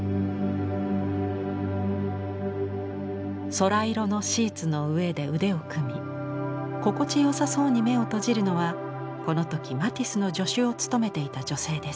空色のシーツの上で腕を組み心地よさそうに目を閉じるのはこの時マティスの助手を務めていた女性です。